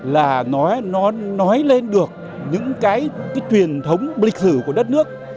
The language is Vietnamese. là nó nói lên được những cái truyền thống lịch sử của đất nước